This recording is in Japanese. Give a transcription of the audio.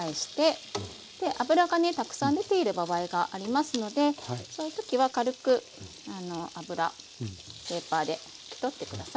で脂がねたくさん出ている場合がありますのでその時は軽く脂ペーパーで拭き取って下さい。